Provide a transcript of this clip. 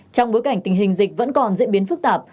trong bối cảnh tình hình dịch vẫn còn diễn biến phức tạp